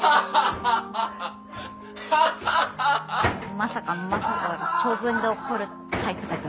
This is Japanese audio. ・まさか正門が長文で怒るタイプだったとは。